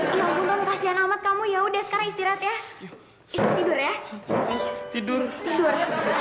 ya ampun kasih alamat kamu ya udah sekarang istirahat ya tidur ya tidur tidur